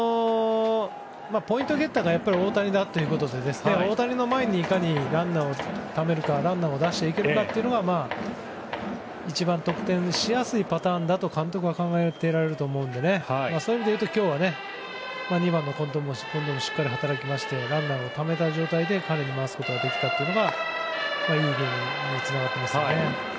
ポイントゲッターが大谷だということで大谷の前にいかにランナーをためるか、出していけるかが一番得点しやすいパターンだと監督は考えておられると思うのでそういう意味で言うと今日は２番の近藤もしっかり働きましてランナーをためた状態で彼に回せたというのがいいゲームにつながってますよね。